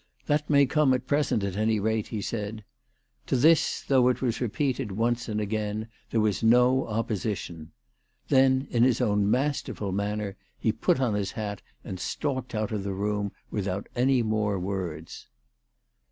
" That may come at present at any rate," he said. To this, though it was repeated once and again, there was no opposi tion. Then in his own masterful manner he put on his hat and stalked out of the room without any more words.